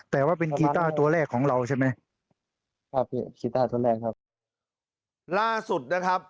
แต่ว่าเป็นกีต้าตัวแรกของเราใช่ไหมครับพี่กีต้าตัวแรกครับล่าสุดนะครับ